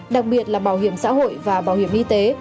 đặc biệt là bảo hiểm xã hội và bảo hiểm y tế